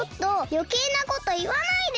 よけいなこといわないで！